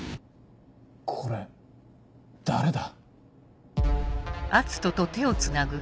これ誰だ？